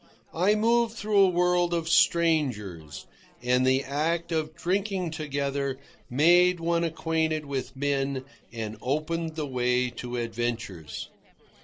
I moved through a world of strangers, and the act of drinking together made one acquainted with men and opened the way to adventures.